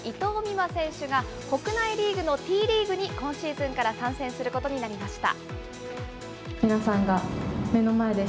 東京オリンピックで金メダルを獲得した伊藤美誠選手が国内リーグのＴリーグに今シーズンから参戦することになりました。